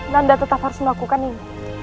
nanda tetap harus melakukan ini